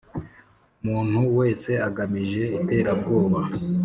Umuntu wese agamije iterabwoba